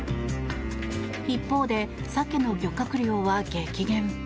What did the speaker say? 一方で、サケの漁獲量は激減。